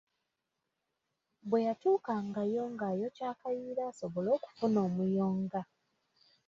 Bwe yatuukangayo ng’ayokya akayiira asobole okufuna omuyonga.